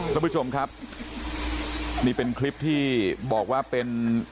ท่านผู้ชมครับนี่เป็นคลิปที่บอกว่าเป็น